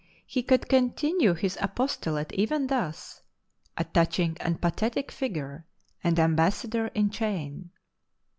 He could continue his apostolate even thus — a touching and pathetic figure, " an ambas sador in a chain."